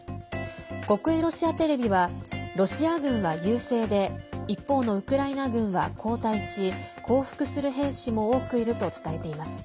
国営ロシアテレビはロシア軍は優勢で一方のウクライナ軍は後退し降伏する兵士も多くいると伝えています。